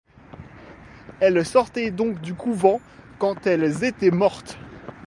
Elles sortaient donc du couvent quand elles étaient mortes.